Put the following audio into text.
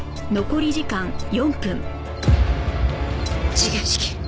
時限式。